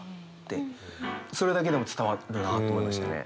それだけでも伝わるなと思いましたね。